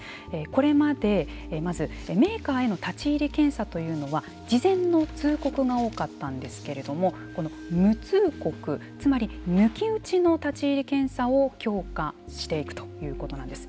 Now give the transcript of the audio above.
これまでまずメーカーへの立ち入り検査というのは事前の通告が多かったんですけれどもこの無通告、つまり抜き打ちの立ち入り検査を強化していくということなんです。